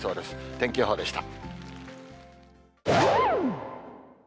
天気予報でした。